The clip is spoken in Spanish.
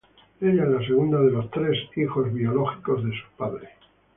Ella es la segunda de los tres hijos biológicos de sus padres.